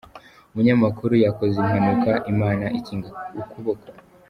Umunyamakuru yakoze impanuka Imana ikinga ukuboko